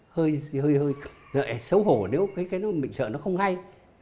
hơi xấu hổ nếu cái mình sợ nó không hay